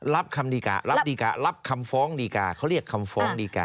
รับคำดีการ์รับดีการ์รับคำฟ้องดีการ์เขาเรียกคำฟ้องดีการ